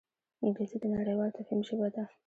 انګلیسي د نړیوال تفهیم ژبه ده